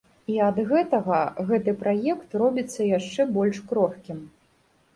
І ад гэтага гэты праект робіцца яшчэ больш крохкім.